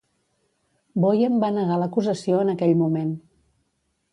Boien va negar l'acusació en aquell moment.